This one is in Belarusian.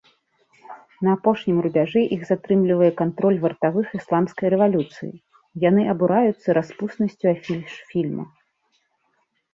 На апошнім рубяжы іх затрымлівае кантроль вартавых ісламскай рэвалюцыі, яны абураюцца распуснасцю афіш фільма.